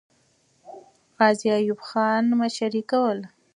غازي ایوب خان مشري کوله.